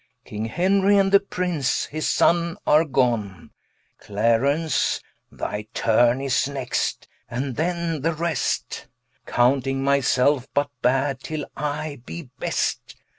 King Henry, and the Prince his Son are gone, Clarence thy turne is next, and then the rest, Counting my selfe but bad, till I be best.